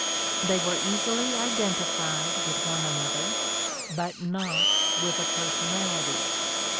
"They were easily identified with one another, but not with a personality.